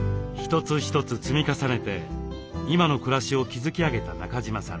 一つ一つ積み重ねて今の暮らしを築き上げた中島さん。